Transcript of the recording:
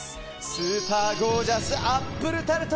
スーパーゴージャスアップルタルト！